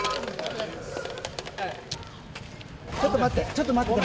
ちょっと待って。